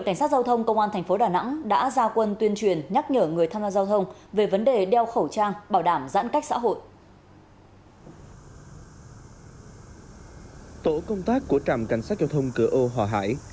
tổ công tác của trạm cảnh sát giao thông cửa âu hòa hải